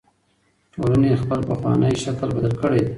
ټولنې خپل پخوانی شکل بدل کړی دی.